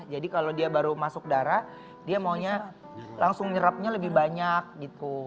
jadi kalau dia baru masuk darah dia maunya langsung nyerapnya lebih banyak gitu